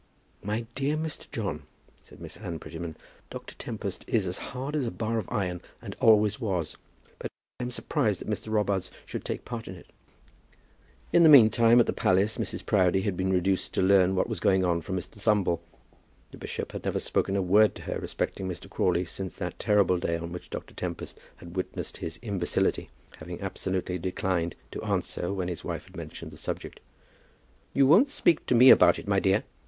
"My dear Mr. John," said Miss Anne Prettyman, "Dr. Tempest is as hard as a bar of iron, and always was. But I am surprised that Mr. Robarts should take a part in it." In the meantime, at the palace, Mrs. Proudie had been reduced to learn what was going on from Mr. Thumble. The bishop had never spoken a word to her respecting Mr. Crawley since that terrible day on which Dr. Tempest had witnessed his imbecility, having absolutely declined to answer when his wife had mentioned the subject. "You won't speak to me about it, my dear?"